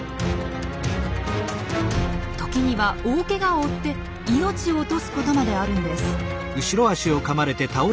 時には大けがを負って命を落とすことまであるんです。